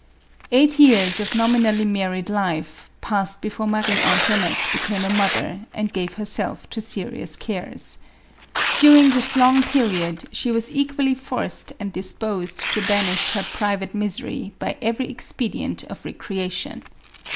Eight years of nominally married life passed before MARIE ANTOINETTE. Marie Antoinette became a mother and gave herself to serious cares. During this long period she was equally forced and disposed to banish her private misery by every expedient of recreation.